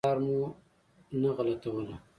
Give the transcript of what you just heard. لار مو نه غلطوله.